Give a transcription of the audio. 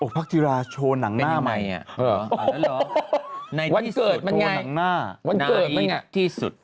ไม่รู้ไงนี่ดู